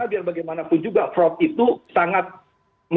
j landung panggil kaseh dan juga org khuatanan